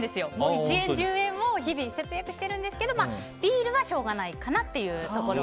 １円、１０円も日々節約してるんですけどビールはしょうがないかなっていうところは。